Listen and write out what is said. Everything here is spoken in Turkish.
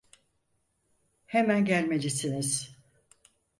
Hemen gelmelisiniz.